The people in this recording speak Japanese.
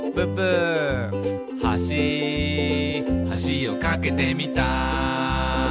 「はしはしを架けてみた」